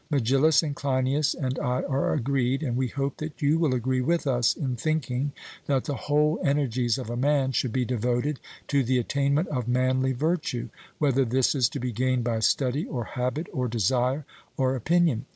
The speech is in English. Megillus and Cleinias and I are agreed, and we hope that you will agree with us in thinking, that the whole energies of a man should be devoted to the attainment of manly virtue, whether this is to be gained by study, or habit, or desire, or opinion.